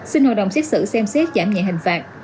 xin hội đồng xét xử xem xét giảm nhẹ hình phạt